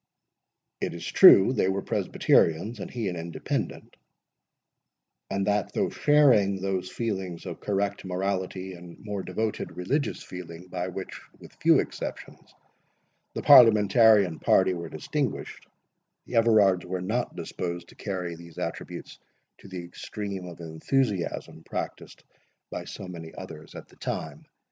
It is true, they were Presbyterians and he an Independent; and that though sharing those feelings of correct morality and more devoted religious feeling, by which, with few exceptions, the Parliamentarian party were distinguished, the Everards were not disposed to carry these attributes to the extreme of enthusiasm, practised by so many others at the time.